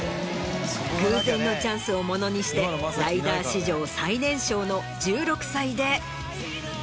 偶然のチャンスをものにしてライダー史上最年少の１６歳で。